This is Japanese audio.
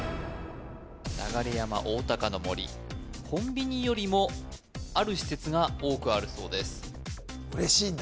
流山おおたかの森コンビニよりもある施設が多くあるそうです嬉しいんだ